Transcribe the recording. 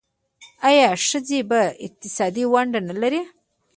آیا ښځې په اقتصاد کې ونډه نلري؟